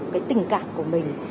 cái tình cảm của mình